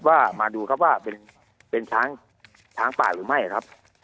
ว่ามาดูครับว่าเป็นช้างช้างป่าหรือไม่ครับ